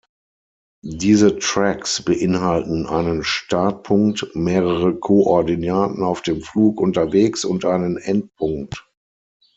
Diese "Tracks" beinhalten einen Startpunkt, mehrere Koordinaten auf dem Flug unterwegs und einen Endpunkt.